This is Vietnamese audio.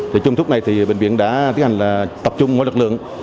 trong thúc này thì bệnh viện đã tiến hành tập trung mỗi lực lượng